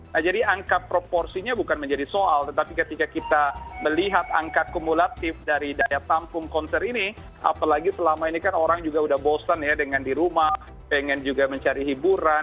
nah jadi angka proporsinya bukan menjadi soal tetapi ketika kita melihat angka kumulatif dari daya tampung konser ini apalagi selama ini kan orang juga sudah bosan ya dengan di rumah pengen juga mencari hiburan